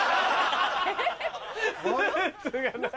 スーツがない。